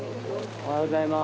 おはようございます。